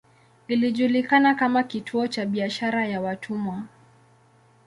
Ilijulikana kama kituo cha biashara ya watumwa.